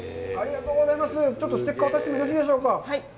ちょっとステッカーをお渡ししてもよろしいでしょうか。